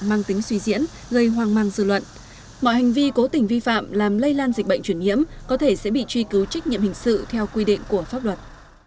mọi hành vi cố tình vi phạm làm lây lan dịch bệnh chuyển nhiễm có thể sẽ bị truy cứu trích nhiệm hình sự theo quy định của pháp luật